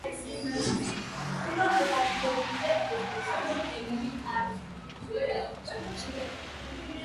kuheshimu malengo yangu namuomba anipe muda tufanye mahojiano ya kipekee kuhusu maisha yake ya